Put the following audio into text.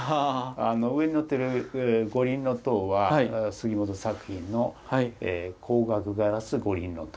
上にのってる五輪塔は杉本作品の光学ガラス五輪塔。